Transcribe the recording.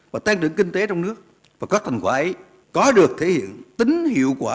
và tăng trưởng kinh tế trong nước và các thành quả ấy có được thể hiện tính hiệu quả